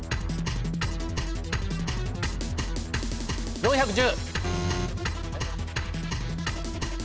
４１０。